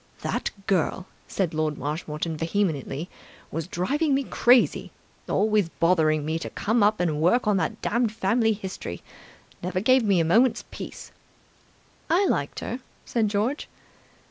"That girl," said Lord Marshmoreton vehemently, "was driving me crazy. Always bothering me to come and work on that damned family history. Never gave me a moment's peace ..." "I liked her," said George.